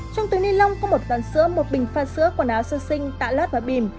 trong túi ni lông có một đoạn sữa một bình phan sữa quần áo sơ sinh tạ lát và bìm